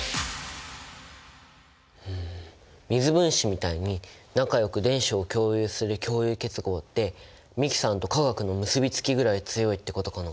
うん水分子みたいに仲よく電子を共有する共有結合って美樹さんと化学の結びつきぐらい強いってことかな。